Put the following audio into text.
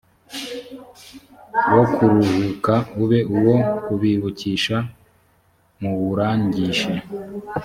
wo kuruhuka ube uwo kubibukisha muwurangishe